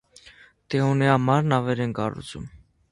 Տեոնի համար նավեր են կառուցվում։